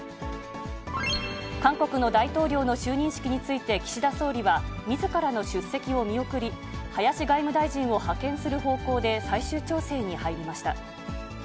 韓国の大統領の就任式について、岸田総理は、みずからの出席を見送り、林外務大臣を派遣する方向で最終調整に入りました。